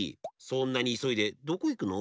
そんなにいそいでどこいくの？